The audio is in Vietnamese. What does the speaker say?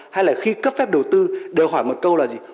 hay là khi cấp phép đầu tư đều hỏi một câu là gì